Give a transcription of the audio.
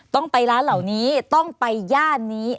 ต้องไปร้านเหล่านี้ต้องไปย่านนี้